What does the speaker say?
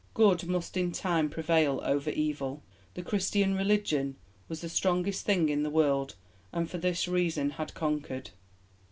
Good must in time prevail over Evil; the Christian religion was the strongest thing in the world, and for this reason had conquered.